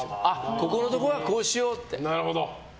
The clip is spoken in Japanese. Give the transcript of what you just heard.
ここのところはこうしようって。